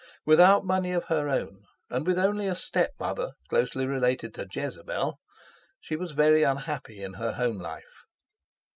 Without money of her own, and with only a stepmother—closely related to Jezebel—she was very unhappy in her home life.